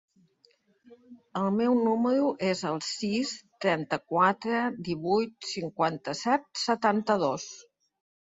El meu número es el sis, trenta-quatre, divuit, cinquanta-set, setanta-dos.